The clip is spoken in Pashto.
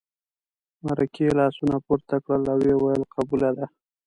مرکې لاسونه پورته کړل او ویې ویل قبوله ده.